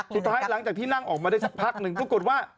ทุกท้ายหลังจากที่นั่งออกได้สักพักนึงครับกรุณว่า